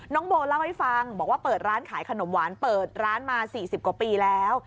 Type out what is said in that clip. น้องโบเล่าให้ฟังบอกว่าเปิดร้านขายขนมหวานเปิดร้านมา๔๐กว่าปีแล้ว